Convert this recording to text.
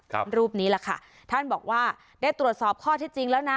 รูปนี้แหละค่ะท่านบอกว่าได้ตรวจสอบข้อที่จริงแล้วนะ